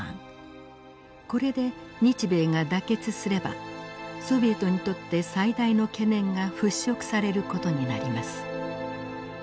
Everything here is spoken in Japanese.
これで日米が妥結すればソビエトにとって最大の懸念が払拭される事になります。